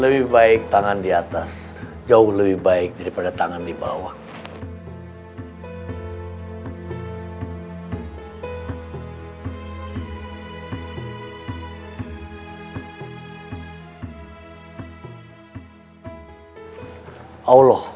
lebih baik tangan di atas jauh lebih baik daripada tangan di bawah